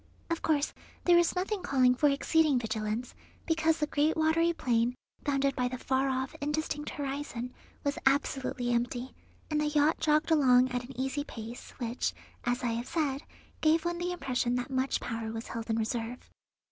Of course there was nothing calling for exceeding vigilance, because the great watery plain, bounded by the far off, indistinct horizon, was absolutely empty, and the yacht jogged along at an easy pace, which, as I have said, gave one the impression that much power was held in reserve.